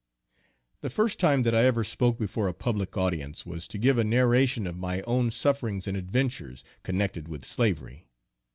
The first time that I ever spoke before a public audience, was to give a narration of my own sufferings and adventures, connected with slavery.